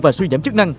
và suy giảm chức năng